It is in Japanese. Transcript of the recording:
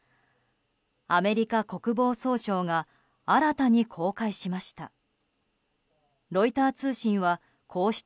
アメリカ国防総省が新たに公開しました。